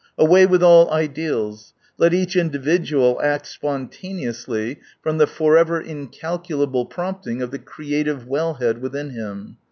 Away with all ideals. Let each individual act spontaneously from, the forever incalculable 10 prompting of_ the creative well head within him.